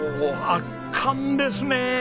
圧巻ですねえ。